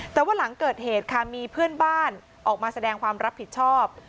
แต่ว่าหลังเกิดเหตุค่ะมีเพื่อนบ้านออกมาแสดงความรับผิดชอบ